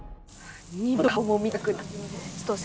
二度と顔も見たくない。